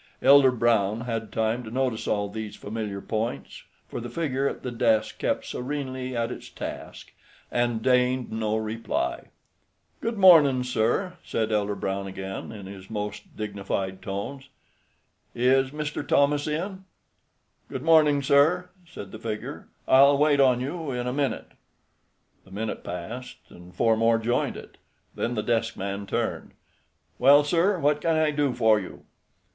Elder Brown had time to notice all these familiar points, for the figure at the desk kept serenely at its task, and deigned no reply. "Good mornin', sir," said Elder Brown again, in his most dignified tones. "Is Mr. Thomas in?" "Good morning, sir," said the figure. "I'll wait on you in a minute." The minute passed, and four more joined it. Then the desk man turned. "Well, sir, what can I do for you?"